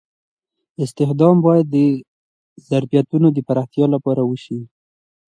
استخدام باید د ظرفیتونو د پراختیا لپاره وشي.